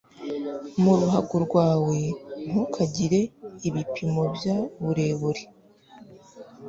mu ruhago rwawe ntukagire ibipimo by uburemere